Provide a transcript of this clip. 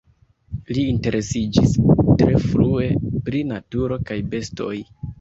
Li interesiĝis tre frue pri naturo kaj bestoj.